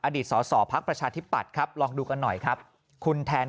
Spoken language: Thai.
อดีตสอสอพักประชาธิปัตย์ครับลองดูกันหน่อยครับคุณแทน